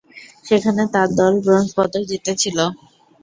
সেখানে তার দল ব্রোঞ্জ পদক জিতেছিল।